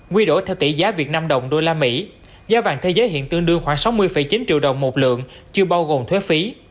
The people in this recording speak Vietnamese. quy đổi theo tỷ giá việt nam đồng usd giá vàng thế giới hiện tương đương khoảng sáu mươi chín triệu đồng một lượng chưa bao gồm thuế phí